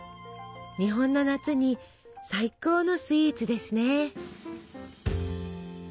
日本の夏に最高のスイーツですね！